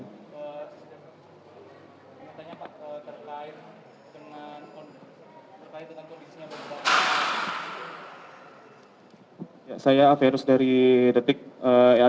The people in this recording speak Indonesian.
tanya tanya pak terkait dengan kondisi yang berubah